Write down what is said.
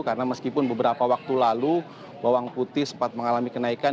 karena meskipun beberapa waktu lalu bawang putih sempat mengalami kenaikan